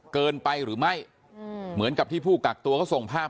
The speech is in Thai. เกินไปหรือไม่เหมือนกับที่ผู้กักตัวเขาส่งภาพ